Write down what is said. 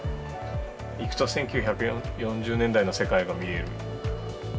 いくと１９４０年代の世界が見える。